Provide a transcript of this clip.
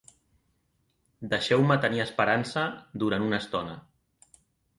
Deixeu-me tenir esperança durant una estona!